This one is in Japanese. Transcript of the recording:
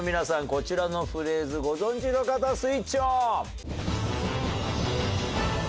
こちらのフレーズご存じの方スイッチオン！